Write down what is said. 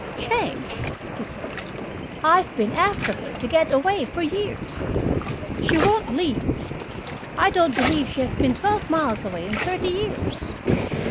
"Change!" he said. "I've been after her to get away for years. She won't leave. I don't believe she has been twelve miles away in thirty years."